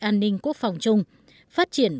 an ninh quốc phòng chung phát triển